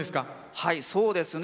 はいそうですね。